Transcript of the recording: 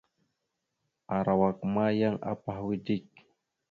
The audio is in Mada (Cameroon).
Arawak ma yan apahwa dik.